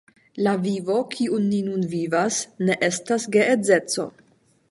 La vivo kiun ni nun vivas, ne estas geedzeco.